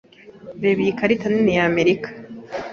Reba iyi karita nini ya Amerika.